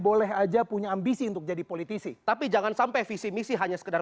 boleh aja punya ambisi untuk jadi politisi tapi jangan sampai visi misi hanya sekedar